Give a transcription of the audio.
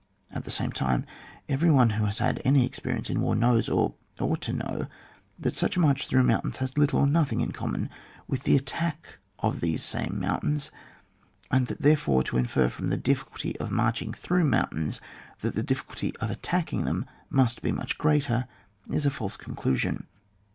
At the same time, every one who has had any experience in war knows, or ought to know, that such a march through moun tains has little or nothing in common with the attack of these same mountains, and that therefore to infer from the difficulty of marching through mountains that the difficulty of attacking them must be much greater is a false conclusion.